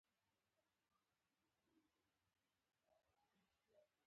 د هرات په زنده جان کې څه شی شته؟